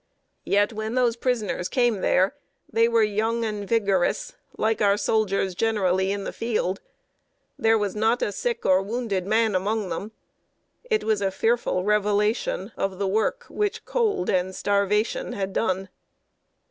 Yet when those prisoners came there, they were young and vigorous, like our soldiers generally in the field. There was not a sick or wounded man among them. It was a fearful revelation of the work which cold and starvation had done.